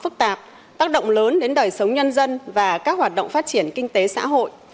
các động lớn đến đời sống nhân dân và các hoạt động phát triển kinh tế xã hội